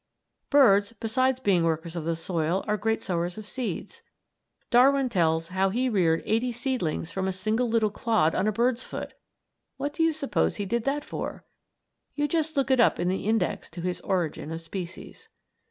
Birds, besides being workers of the soil, are great sowers of seeds. Darwin tells how he reared eighty seedlings from a single little clod on a bird's foot. What do you suppose he did that for? You just look it up in the index to his "Origin of Species."